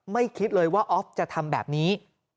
คิดเลยว่าออฟจะทำแบบนี้